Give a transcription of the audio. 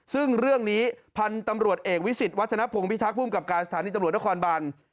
ซึ่งเรื่องนี้พันธุ์ตำรวจเอกวิสิตวัฒนภงพิทักษ์ภูมิกับการสถานีตำรวจนครบัน